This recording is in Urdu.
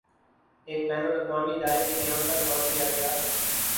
ایک بین الاقوامی ادارے کے قیام پر غور کیا گیا